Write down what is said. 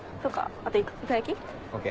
あといか焼き？ＯＫ。